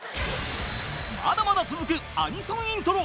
［まだまだ続くアニソンイントロ］